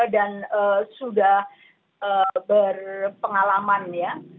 dan sudah berpengalaman ya